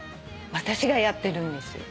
私がやってるんですよ。